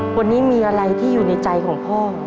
วันนี้มีอะไรที่อยู่ในใจของพ่อ